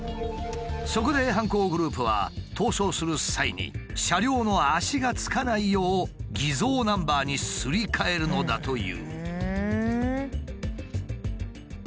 そこで犯行グループは逃走する際に車両の足がつかないよう偽造ナンバーにすり替えるのだという。